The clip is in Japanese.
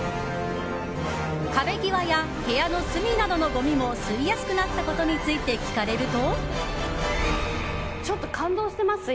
壁際や部屋の隅などのごみも吸いやすくなったことについて聞かれると。